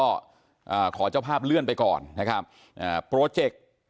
ก็อ่าขอเจ้าภาพเลื่อนไปก่อนนะครับอ่าโปรเจกต์